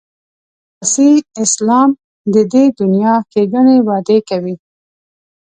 سیاسي اسلام د دې دنیا ښېګڼې وعدې کوي.